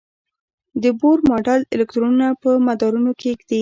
د بور ماډل الکترونونه په مدارونو کې ږدي.